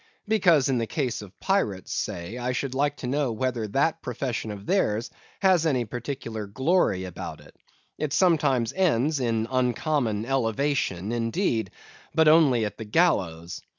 Because, in the case of pirates, say, I should like to know whether that profession of theirs has any peculiar glory about it. It sometimes ends in uncommon elevation, indeed; but only at the gallows.